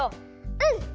うん！